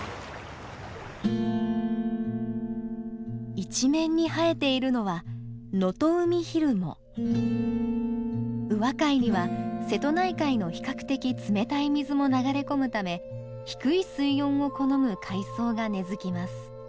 一面に生えているのは宇和海には瀬戸内海の比較的冷たい水も流れ込むため低い水温を好む海草が根づきます。